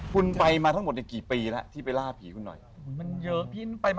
คุณไปมาทั้งหมดเนี่ยกี่ปีแล้วที่ไปล่าผีคุณหน่อย